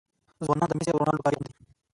ځوانان د میسي او رونالډو کالي اغوندي.